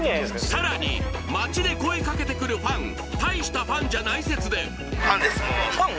さらに街で声かけてくるファン大したファンじゃない説でファンですファン？